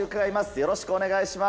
よろしくお願いします。